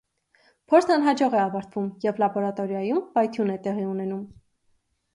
Փորձն անհաջող է ավարտվում, և լաբորատորիայում պայթյուն է տեղի ունենում։